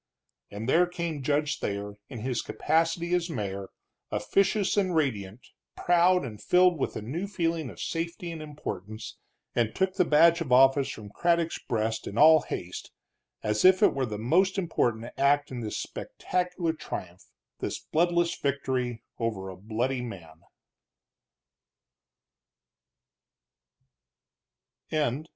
And there came Judge Thayer, in his capacity as mayor, officious and radiant, proud and filled with a new feeling of safety and importance, and took the badge of office from Craddock's breast, in all haste, as if it were the most important act in this spectacular triumph, this bloodless victory over a bloody man.